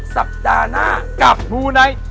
สัปดาห์หน้ากับมูไนท์